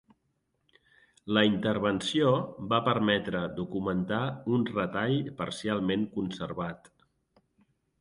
La intervenció va permetre documentar un retall parcialment conservat.